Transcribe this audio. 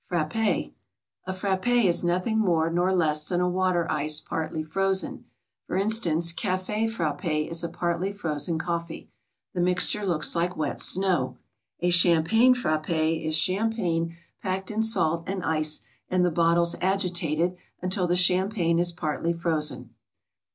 FRAPPÉ A frappé is nothing more nor less than a water ice partly frozen. For instance, Café Frappé is a partly frozen coffee. The mixture looks like wet snow. A Champagne Frappé is champagne packed in salt and ice and the bottles agitated until the champagne is partly frozen.